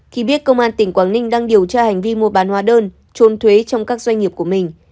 khi biết công an tỉnh quảng ninh đang điều tra hành vi mua bán hóa đơn trốn thuế trong các doanh nghiệp của mình